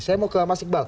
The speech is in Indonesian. saya mau ke mas iqbal